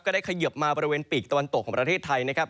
ได้เขยิบมาบริเวณปีกตะวันตกของประเทศไทยนะครับ